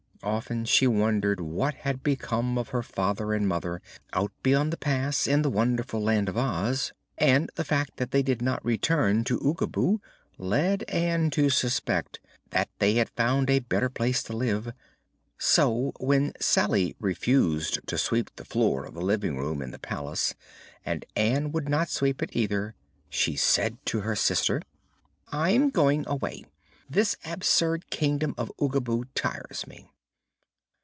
Often she wondered what had become of her father and mother, out beyond the pass, in the wonderful Land of Oz, and the fact that they did not return to Oogaboo led Ann to suspect that they had found a better place to live. So, when Salye refused to sweep the floor of the living room in the palace, and Ann would not sweep it, either, she said to her sister: "I'm going away. This absurd Kingdom of Oogaboo tires me."